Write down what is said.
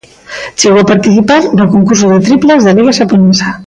Chegou a participar no concurso de triplas da Liga xaponesa.